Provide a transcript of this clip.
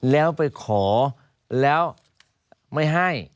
แล้วไปขอแล้วไม่ให้